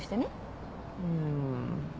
うん。